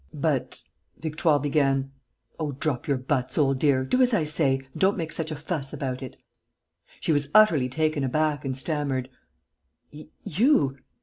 "But ..." Victoire began. "Oh, drop your buts, old dear, do as I say, and don't make such a fuss about it!" She was utterly taken aback and stammered: "You!